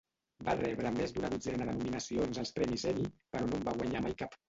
Va rebre més d'una dotzena de nominacions als premis Emmy, però no en va guanyar mai cap.